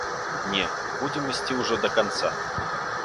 Не, будзем ісці ўжо да канца.